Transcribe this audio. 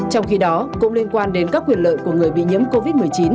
trong khi đó cũng liên quan đến các quyền lợi của người bị nhiễm covid một mươi chín